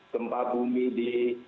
gempa bumi di